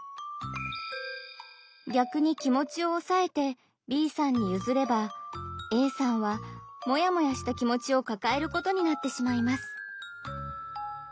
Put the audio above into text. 逆に気持ちをおさえてＢさんにゆずればＡさんはモヤモヤした気持ちをかかえることになってしまいます。